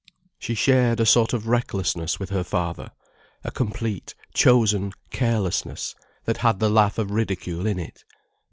She shared a sort of recklessness with her father, a complete, chosen carelessness that had the laugh of ridicule in it.